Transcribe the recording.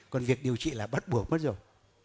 còn việc điều trị là bắt buộc mất rồi